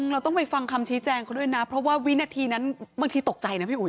เราต้องไปฟังคำชี้แจงเขาด้วยนะเพราะว่าวินาทีนั้นบางทีตกใจนะพี่อุ๋